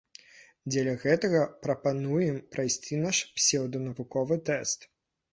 Дзеля гэтага прапануем прайсці наш псеўданавуковы тэст.